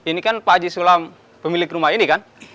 ini kan pak haji sulam pemilik rumah ini kan